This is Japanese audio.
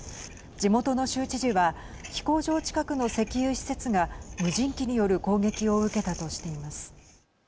地元の州知事は飛行場近くの石油施設が無人機による攻撃を受けたとしています。